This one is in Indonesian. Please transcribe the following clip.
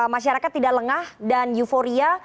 masyarakat tidak lengah dan euforia